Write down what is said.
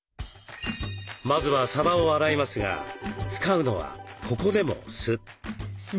まずはさばを洗いますが使うのはここでも酢。